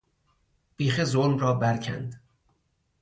بیخ ظلم را برکند